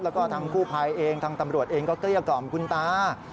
แล้วก็ทางกู้ภัยเองทางตำรวจเองก็เกลี้ยกล่อมคุณตา